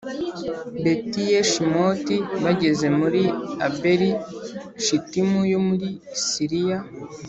Betiyeshimoti bageza muri Abeli Shitimu yo mu Siliya